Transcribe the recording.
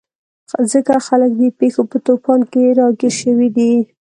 ځکه خلک د پېښو په توپان کې راګیر شوي دي.